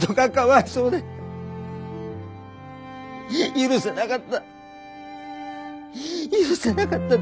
許せなかった許せなかったどうしても。